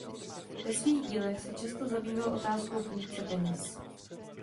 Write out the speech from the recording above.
Ve svých dílech se často zabýval otázkou funkce peněz.